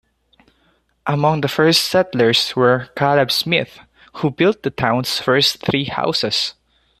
Among the first settlers were Caleb Smith who built the town's first three houses.